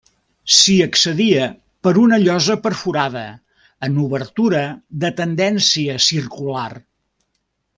S'hi accedia per una llosa perforada en obertura de tendència circular.